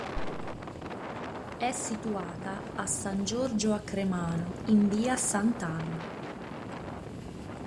È situata a San Giorgio a Cremano in via Sant'Anna.